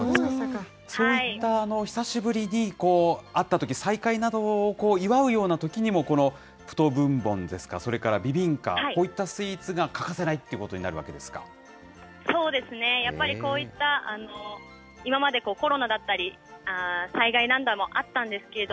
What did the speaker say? そういった久しぶりに会ったとき、再会などを祝うようなときにも、このプト・ブンボンですか、それからビビンカ、こういったスイーツが欠かせないってことになるわそうですね、やっぱりこういった、今までコロナだったり、災害、何度もあったんですけど。